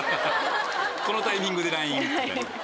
このタイミングでＬＩＮＥみたいな。